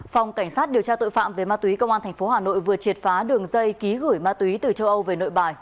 phòng cảnh sát điều tra tội phạm về ma túy công an tp hà nội vừa triệt phá đường dây ký gửi ma túy từ châu âu về nội bài